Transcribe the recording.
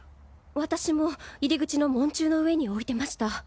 私も入り口の門柱の上に置いてました。